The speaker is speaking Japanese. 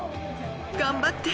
頑張って！